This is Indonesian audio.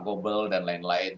gobel dan lain lain